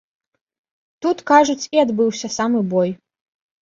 Тут, кажуць, і адбыўся самы бой.